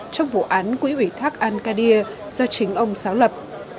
trong vụ án quỹ ủy thác al qadir do chính ông xáo lập